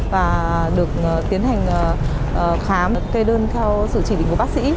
và được tiến hành khám kê đơn theo sự chỉ định của bác sĩ